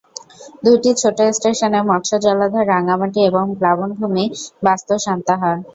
দুইটি ছোট স্টেশনের মৎস্য জলাধার রাঙ্গামাটি এবং প্লাবনভূমি বাস্তু সান্তাহার।